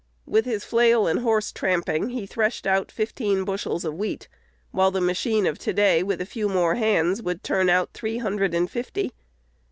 With his flail and horse tramping, he threshed out fifteen bushels of wheat; while the machine of to day, with a few more hands, would turn out three hundred and fifty.